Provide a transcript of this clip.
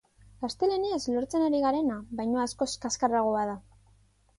Gaztelaniaz lortzen ari garena baino askoz kaxkarragoa da.